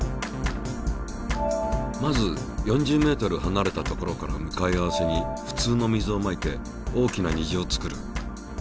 まず４０ｍはなれた所から向かい合わせにふつうの水をまいて大きな虹を作る。